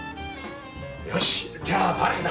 よしじゃあバレーだ！